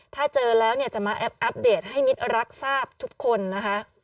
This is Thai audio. ถ้าเจอแล้วเนี่ยจะมาอัปเดตให้มิตรรักทราบทุกคนนะคะ